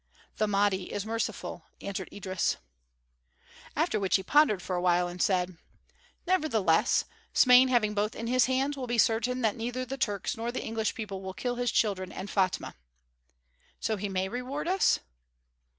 "The Mahdi is merciful," answered Idris. After which he pondered for a while and said: "Nevertheless, Smain having both in his hands will be certain that neither the Turks nor the English people will kill his children and Fatma." "So he may reward us?"